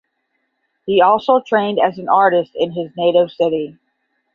He also trained as an artist in his native city.